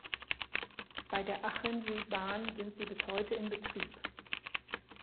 Bei der Achenseebahn sind sie bis heute in Betrieb.